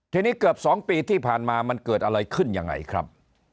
ทีนี้เกือบ๒ปีที่ผ่านมามันเกิดอะไรขึ้นยังไงครับ